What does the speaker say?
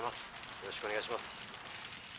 よろしくお願いします。